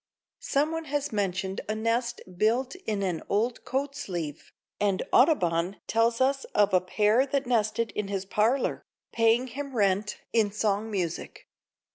Some one has mentioned a nest built in an old coat sleeve, and Audubon tells us of a pair that nested in his parlor, paying him rent in song music.